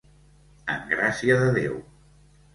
En gràcia de Déu.